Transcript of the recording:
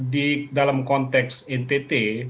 di dalam konteks ntt